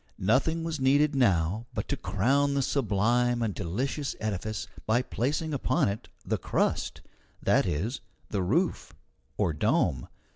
Nothing was needed now but to crown the sublime and delicious edifice by placing upon it the crust that is, the roof, or dome.